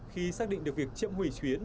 khi xác định được việc chậm hủy chuyến